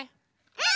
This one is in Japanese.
うん！